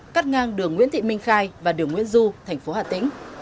cắt ngang đường nguyễn thị minh khai và đường nguyễn du thành phố hà tĩnh